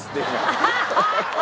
ハハハハッ！